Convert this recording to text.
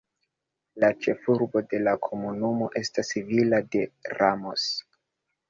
La ĉefurbo de la komunumo estas Villa de Ramos.